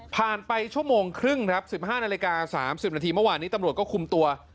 ไปชั่วโมงครึ่งครับ๑๕นาฬิกา๓๐นาทีเมื่อวานนี้ตำรวจก็คุมตัว